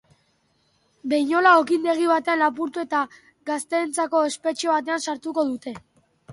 Behinola okindegi batean lapurtu eta gazteentzako espetxe batean sartuko dute.